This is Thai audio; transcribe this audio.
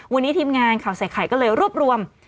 วันนี้ทีมงานข่าวใส่ไข่ก็เลยรวบรวม